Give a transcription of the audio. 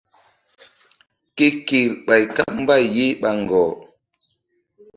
Ke kerɓay káɓ mbay ye ɓa ŋgɔh.